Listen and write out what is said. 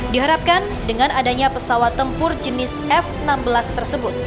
diharapkan dengan adanya pesawat tempur jenis f enam belas tersebut